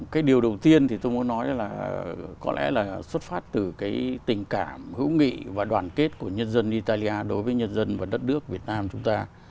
cái điều đầu tiên thì tôi muốn nói là có lẽ là xuất phát từ cái tình cảm hữu nghị và đoàn kết của nhân dân italia đối với nhân dân và đất nước việt nam chúng ta